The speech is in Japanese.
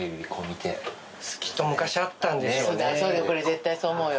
絶対そう思うよ。